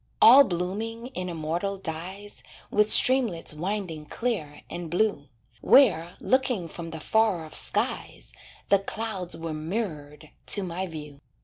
All blooming in immortal dyes, With streamlets winding clear and blue, Where, looking from the far off skies, The clouds were mirrored to my view.